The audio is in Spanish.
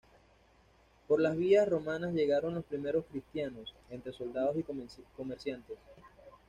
Por las vías romanas llegaron los primeros cristianos, entre soldados y comerciantes.